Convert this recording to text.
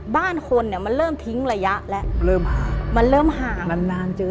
บ้านคนเนี่ยมันเริ่มทิ้งระยะและมันเริ่มห่าง